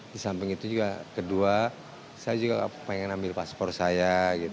di samping itu juga kedua saya juga pengen ambil paspor saya